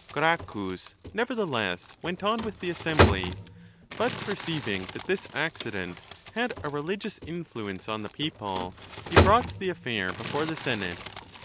Gracchus never theless went on with the assembly, but perceiving that this accident had a religious influence on the people, he brought the affair before the senate.